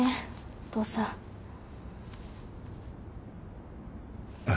お父さんあ